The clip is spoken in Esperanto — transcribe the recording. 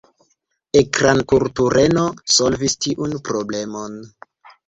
Ekrankurteno solvis tiun problemon.